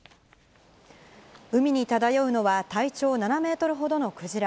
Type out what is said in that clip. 海に漂うのは、体長７メートルほどのクジラ。